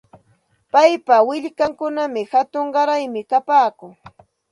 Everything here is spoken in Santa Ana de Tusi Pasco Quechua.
Paypa willkankunam hatun qaraymi kapaakun.